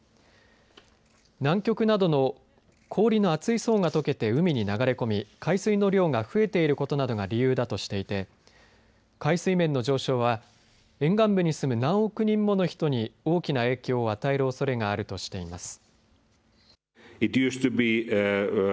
南極などの氷の厚い層がとけて海に流れ込み海水の量が増えていることなどが理由だとしていて海水面の上昇は沿岸部に住む何億人もの人に大きな影響を与えるおそれがあるとしています。